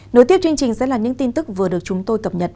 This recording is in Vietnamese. nối tiếp chương trình sẽ là những tin tức vừa được chúng tôi cập nhật